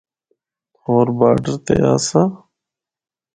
ہور باڈر تے آسا۔